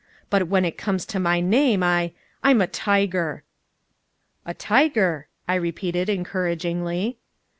But when it comes to my name I I'm a tiger!" "A tiger," I repeated encouragingly.